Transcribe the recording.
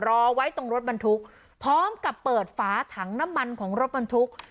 รอไว้ตรงรถบรรทุกพร้อมกับเปิดฝาถังน้ำมันของรถบรรทุก